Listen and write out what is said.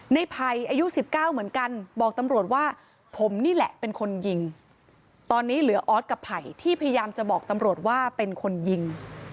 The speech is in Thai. ไผ่อายุ๑๙เหมือนกันบอกตำรวจว่าผมนี่แหละเป็นคนยิงตอนนี้เหลือออสกับไผ่ที่พยายามจะบอกตำรวจว่าเป็นคนยิง